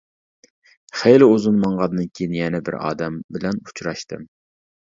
خېلى ئۇزۇن ماڭغاندىن كىيىن يەنە بىر ئادەم بىلەن ئۇچراشتىم.